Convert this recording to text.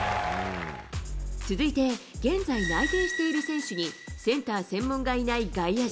続いて、現在内定している選手に、センター専門がいない外野陣。